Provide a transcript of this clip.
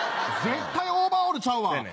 絶対オーバーオールちゃうわ。